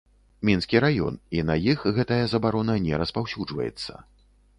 Мінскі раён, і на іх гэтая забарона не распаўсюджваецца.